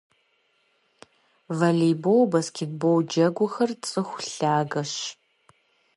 Волейбол, баскетбол джэгухэр цӏыху лъагэщ.